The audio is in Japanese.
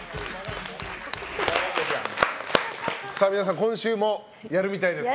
今週もやるみたいです。